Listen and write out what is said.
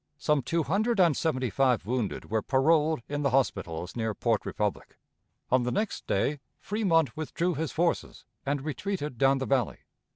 Some two hundred and seventy five wounded were paroled in the hospitals near Port Republic. On the next day Fremont withdrew his forces, and retreated down the Valley.